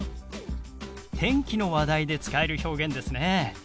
天気の話題で使える表現ですね。